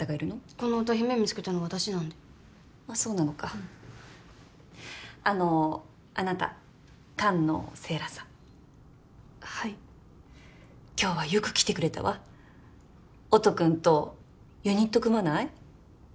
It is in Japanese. この歌姫見つけたの私なんであっそうなのかあのあなた菅野セイラさんはい今日はよく来てくれたわ音くんとユニット組まない？